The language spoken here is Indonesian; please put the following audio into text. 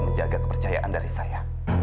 menjaga kepercayaan dari saya